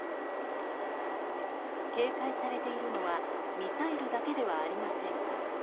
警戒されているのはミサイルだけではありません。